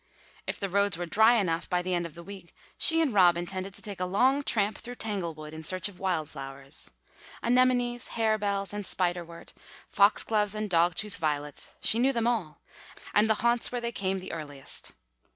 If the roads were dry enough by the end of the week she and Rob intended to take a long tramp through Tanglewood in search of wild flowers. Anemones, harebells and spiderwort, foxgloves and dog tooth violets, she knew them all, and the haunts where they came the earliest.